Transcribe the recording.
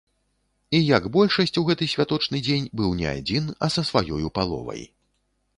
І як большасць у гэты святочны дзень быў не адзін, а са сваёю паловай.